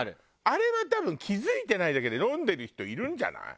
あれは多分気付いてないだけで飲んでる人いるんじゃない？